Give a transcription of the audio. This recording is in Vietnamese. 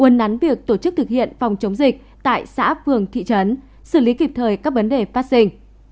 un nắn việc tổ chức thực hiện phòng chống dịch tại xã phường thị trấn xử lý kịp thời các vấn đề phát sinh